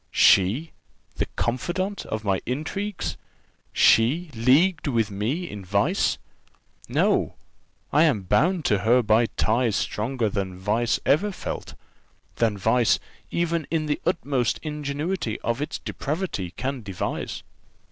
She, the confidante of my intrigues! she leagued with me in vice! No, I am bound to her by ties stronger than vice ever felt; than vice, even in the utmost ingenuity of its depravity, can devise."